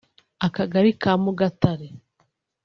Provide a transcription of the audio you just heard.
akagali ka Mugatare